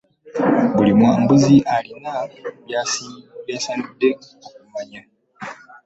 Buli mwambazi alina byasanidde okumanya.